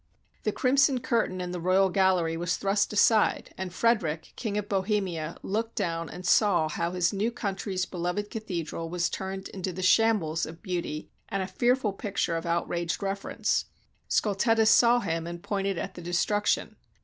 The crimson curtain in the royal gallery was thrust aside, and Frederick, King of Bohemia, looked down and saw how his new country's beloved cathedral was turned into the shambles of beauty and a fearful picture of out raged reverence. Scultetus saw him and pointed at the destruction.